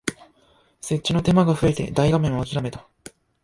設置の手間が増えて大画面をあきらめた